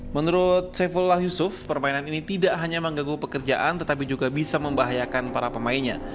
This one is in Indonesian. menurut saifullah yusuf permainan ini tidak hanya mengganggu pekerjaan tetapi juga bisa membahayakan para pemainnya